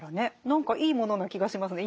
何かいいものな気がしますね